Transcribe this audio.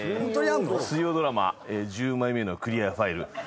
水曜ドラマ『１０枚目のクリアファイル』